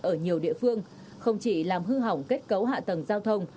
ở nhiều địa phương không chỉ làm hư hỏng kết cấu hạ tầng giao thông